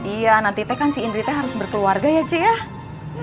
iya nanti teh kan si indri harus berkeluarga ya cuk